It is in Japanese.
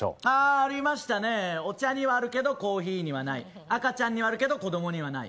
ありましたね、お茶にはあるけどコーヒーにはない、赤ちゃんにはあるけど子供にはない。